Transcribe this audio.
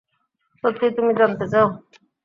সত্যিই তুমি জানতে চাও?